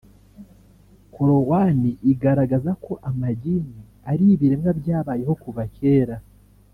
Korowani igaragaza koamagini ari ibiremwa byabayeho kuva kera